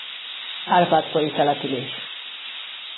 Árpád-kori település.